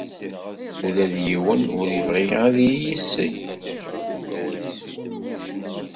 Ula d yiwen ur yebɣi ad iyi-isel.